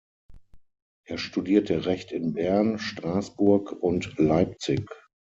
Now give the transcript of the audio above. Er studierte Recht in Bern, Strassburg und Leipzig.